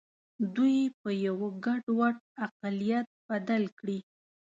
دوی په یوه ګډوډ اقلیت بدل کړي.